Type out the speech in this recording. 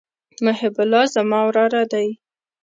محب الله زما وراره دئ.